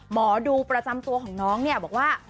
หมอดูประจำตัวของน้องเนี่ยบอกว่า